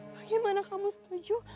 bagaimana kamu setuju